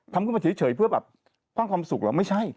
ทำขึ้นมาเฉยเพื่อแบบสร้างความสุขเหรอไม่ใช่